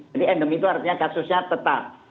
jadi endemi itu artinya kasusnya tetap